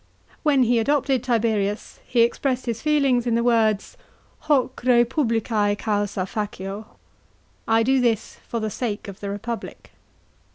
When he adopted Tiberius, he expressed his feelings in the words : Hoc reipublicss causa fado, " I do this for the sake of the republic.'